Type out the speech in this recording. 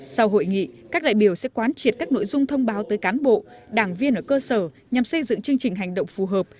sau hội nghị các đại biểu sẽ quán triệt các nội dung thông báo tới cán bộ đảng viên ở cơ sở nhằm xây dựng chương trình hành động phù hợp